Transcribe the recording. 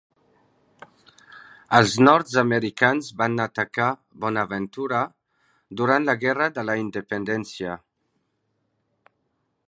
Els nord-americans van atacar Bonaventura durant la Guerra de la Independència.